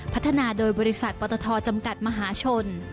พัฒนาโดยบริษัทปตทจำกัดมหาชน